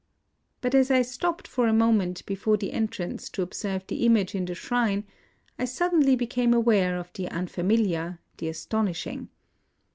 But as I stopped for a moment before the entrance to observe the image in the shrine, I suddenly became aware of the unfamiliar, the astonishing.